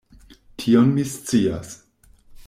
Tion mi scias.